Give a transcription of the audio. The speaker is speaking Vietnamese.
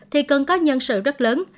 thì cần có nhân sự rất lớn